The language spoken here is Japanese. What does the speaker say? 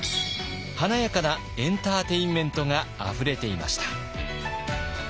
華やかなエンターテインメントがあふれていました。